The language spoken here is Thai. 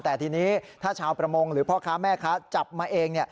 แต่ทีนี้ถ้าชาวประมงหรือพ่อค้าแม่ค้าจับมาเอง